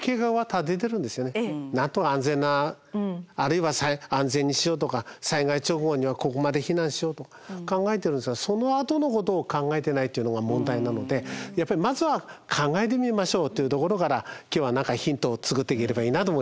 なんとか安全なあるいは安全にしようとか災害直後にはここまで避難しようとか考えているんですがやっぱりまずは考えてみましょうというところから今日は何かヒントを作っていければいいなと思います。